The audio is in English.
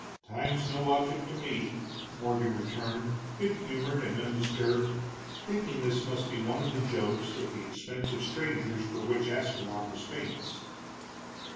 "Time's no object to me," Morgan returned, good humored and undisturbed, thinking this must be one of the jokes at the expense of strangers for which Ascalon was famous.